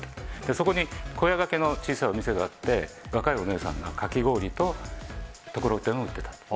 そこに小屋掛けの小さいお店があって若いお姉さんがかき氷とところてんを売っていた。